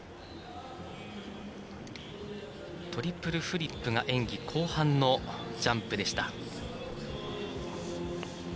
トリプルフリップが演技後半のジャンプでした。